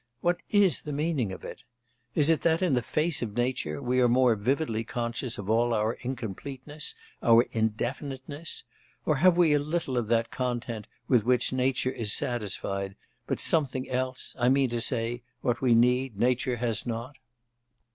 What is the meaning of it? Is it that in the face of nature we are more vividly conscious of all our incompleteness, our indefiniteness, or have we little of that content with which nature is satisfied, but something else I mean to say, what we need, nature has not?